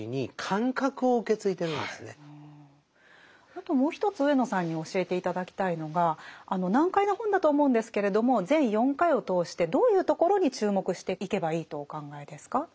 あともう一つ上野さんに教えて頂きたいのが難解な本だと思うんですけれども全４回を通してどういうところに注目していけばいいとお考えですか？